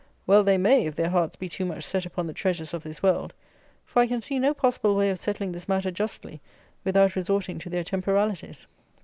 Well they may, if their hearts be too much set upon the treasures of this world; for I can see no possible way of settling this matter justly, without resorting to their temporalities.